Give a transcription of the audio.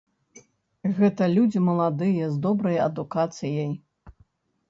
Гэта людзі маладыя, з добрай адукацыяй.